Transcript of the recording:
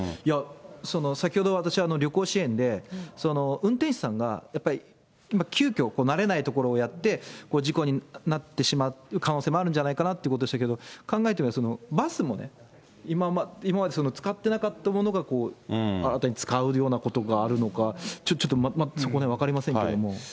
先ほど、私、旅行支援で、運転手さんがやっぱり急きょ、慣れないところをやって、事故になってしまう可能性もあるんじゃないかなということでしたけれども、考えてみますと、バスもね、今まで使ってなかったものが新たに使うようなことがあるのか、ちょっと、まだそのへん分かりませんけれども。